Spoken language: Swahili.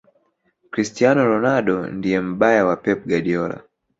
cristiano ronaldo ndiye mbaya wa pep guardiola